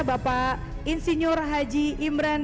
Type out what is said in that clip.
bapak insinyur haji imran